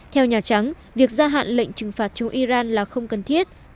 theo nhà trắng việc gia hạn lệnh trừng phạt cho iran là không cần thiết